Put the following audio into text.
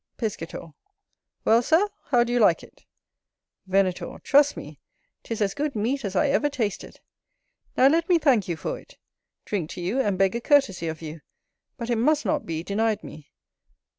Piscator. Well, Sir, how do you like it? Venator. Trust me, 'tis as good meat as I ever tasted. Now let me thank you for it, drink to you and beg a courtesy of you; but it must not be denied me.